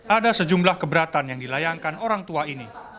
ada sejumlah keberatan yang dilayangkan orang tua ini